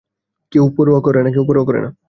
কেউ পরোয়া করে না।